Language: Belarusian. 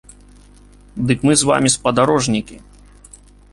Дык мы з вамі спадарожнікі!